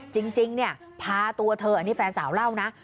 จริงเนี่ยพาตัวเธออันนี้แฟนสาวเล่านะ